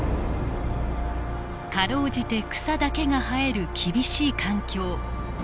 辛うじて草だけが生える厳しい環境。